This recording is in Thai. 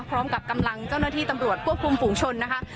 พร้อมกับกำลังเจ้าหน้าที่ตำรวจควบคุมฝูงชนนะคะ